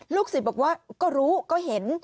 ศิษย์บอกว่าก็รู้ก็เห็น